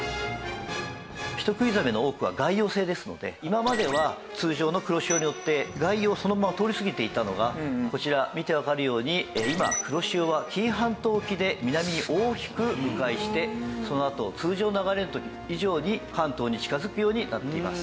人食いザメの多くは外洋性ですので今までは通常の黒潮にのって外洋をそのまま通り過ぎていたのがこちら見てわかるように今黒潮は紀伊半島沖で南へ大きく迂回してそのあと通常の流れの時以上に関東に近づくようになっています。